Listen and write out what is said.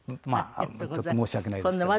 ちょっと申し訳ないですけど。